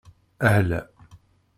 Ahla!